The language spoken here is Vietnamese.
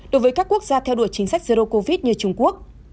đối với các quốc gia theo đuổi chính sách zero covid như trung quốc